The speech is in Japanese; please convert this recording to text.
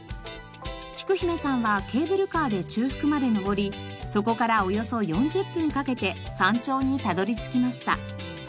きく姫さんはケーブルカーで中腹まで昇りそこからおよそ４０分かけて山頂にたどり着きました。